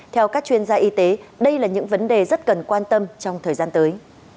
theo các chuyên gia y tế đây là những vấn đề rất cần quan tâm trong thời gian tới